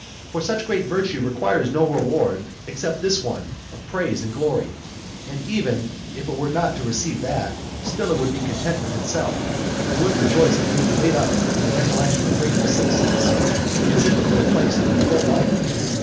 For such great virtue requires no reward except this one of praise and glory; and even if it were not to receive that, still it would be content with itself, and would rejoice at being laid up in the recollection of grateful citizens, as if it were placed in the full light.